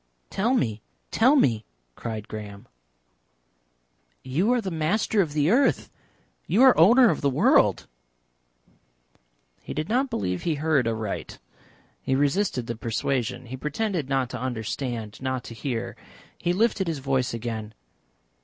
"Tell me, tell me!" cried Graham. "You are the Master of the Earth. You are owner of the world." He did not believe he heard aright. He resisted the persuasion. He pretended not to understand, not to hear. He lifted his voice again.